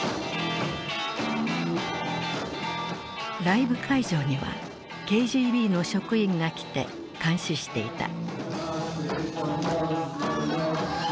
ライブ会場にはＫＧＢの職員が来て監視していた。